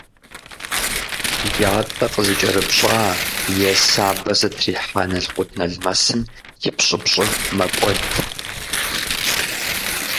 Ятӏэ зыкӏэрыпщӏа е сабэ зытрихьа налкъутналмэсым и пщӏыпщӏыр мэкӏуэд.